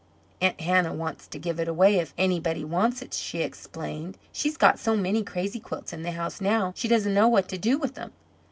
"Aunt Hannah wants to give it away if anybody wants it," she explained. "She's got so many crazy quilts in the house now she doesn't know what to do with them.